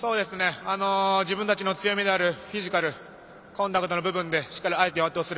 自分たちの強みであるフィジカルやコンタクトの部分で相手を圧倒する。